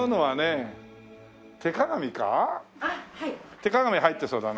手鏡入ってそうだな。